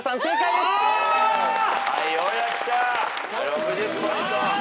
６０ポイント。